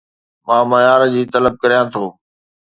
مان معيار جي طلب ڪريان ٿو